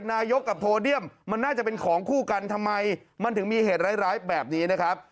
นายกกับโพเดียมมันน่าจะเป็นของคู่กันทำไมมันถึงมีเหตุร้ายแบบนี้นะครับ